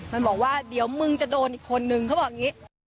มันบอกว่าเดี๋ยวมึงจะโดนอีกคนนึงเขาบอกอย่างนี้